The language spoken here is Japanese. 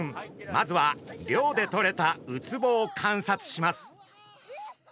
まずは漁でとれたウツボを観察します。